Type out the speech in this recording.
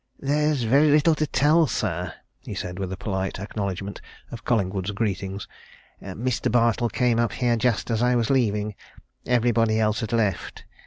"There's very little to tell, sir," he said, with a polite acknowledgment of Collingwood's greeting. "Mr. Bartle came up here just as I was leaving everybody else had left.